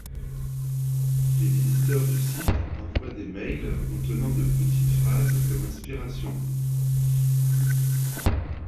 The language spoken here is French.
Les visiteurs du site envoient des mails contenant de petites phrases comme inspiration.